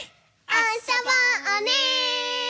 あそぼうね！